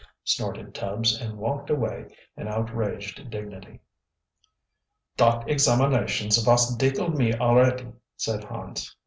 snorted Tubbs, and walked away in outraged dignity. "Dot examinations vos dickle me alretty," said Hans.